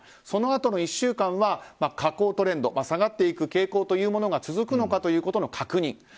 そのあとの１週間は下降トレンド下がっていく傾向というものが続くのかということの確認。